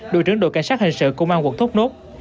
đội trưởng đội cảnh sát hình sự công an quận thốt nốt